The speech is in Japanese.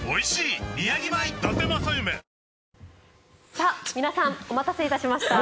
さあ、皆さんお待たせいたしました。